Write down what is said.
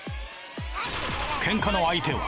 ケンカの相手は？